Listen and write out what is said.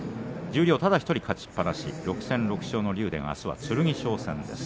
十両ただ１人勝ちっぱなしの竜電はあすは剣翔戦です。